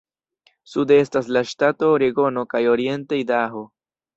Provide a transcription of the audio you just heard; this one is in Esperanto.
Sude estas la ŝtato Oregono kaj oriente Idaho.